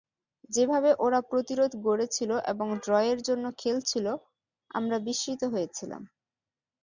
যেভাবে ওরা প্রতিরোধ গড়েছিল এবং ড্রয়ের জন্য খেলছিল, আমরা বিস্মিত হয়েছিলাম।